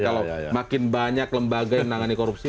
kalau makin banyak lembaga yang menangani korupsi